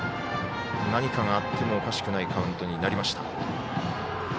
何かがあってもおかしくないカウントになりました。